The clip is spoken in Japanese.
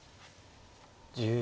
１０秒。